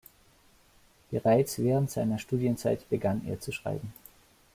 Bereits während seiner Studienzeit begann er zu schreiben.